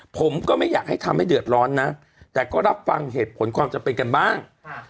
ผมก็ไม่อยากให้ทำให้เดือดร้อนนะแต่ก็รับฟังเหตุผลความจำเป็นกันบ้าง